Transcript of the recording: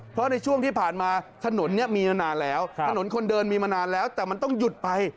เพราะในช่วงที่ผ่านมาถนนนี้มีมานานแล้วถนนคนเดินมีมานานแล้วแต่มันต้องหยุดไป